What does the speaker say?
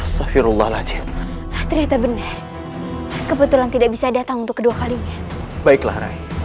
hafirullah ternyata benar kebetulan tidak bisa datang untuk kedua kalinya baiklah rai